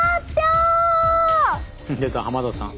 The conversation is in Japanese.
出た浜田さん。